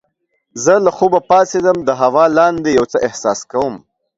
زه له خوبه پاڅیدم د هوا لاندې یو څه احساس کوم.